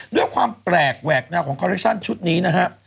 ด้วยความแปลกแหวกแนวของคอเรคชั่นชุดนี้นะฮะ